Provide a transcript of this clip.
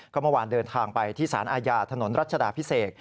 ก็เมื่อวานเดินทางไปที่สารอาญาถนนรัชดาพิเศษ